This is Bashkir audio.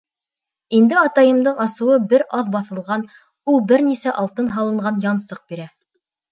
Инде атайымдың асыуы бер аҙ баҫылған, ул бер нисә алтын һалынған янсыҡ бирә.